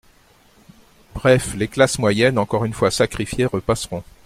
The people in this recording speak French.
Bref, les classes moyennes, encore une fois sacrifiées, repasseront.